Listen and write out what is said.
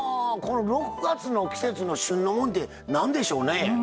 ６月の季節の旬のもんってなんでしょうね？